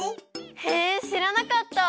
へえしらなかった！